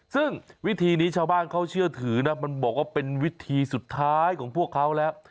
ซึ่งวิธีนี้ชาวบ้านเขาเชื่อถือนะมันบอกว่าเป็นวิธีสุดท้ายของพวกเขาแล้ว